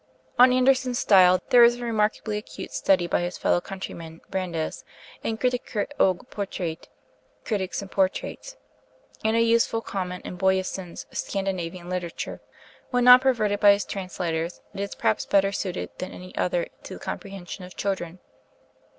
On Andersen's style there is a remarkably acute study by his fellow countryman Brandes, in 'Kritiker og Portraite' (Critiques and Portraits), and a useful comment in Boyesen's 'Scandinavian Literature.' When not perverted by his translators, it is perhaps better suited than any other to the comprehension of children.